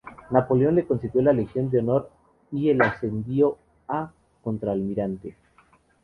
Napoleón le concedió la Legión de Honor y le ascendió a contralmirante.